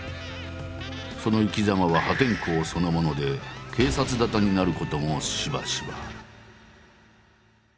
その生きざまは破天荒そのもので警察沙汰になることもしばしば。